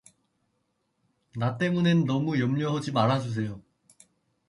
나 때문엔 너무 염려허지 말어 주세요.